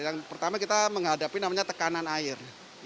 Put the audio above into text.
yang pertama kita menghadapi namanya tekanan air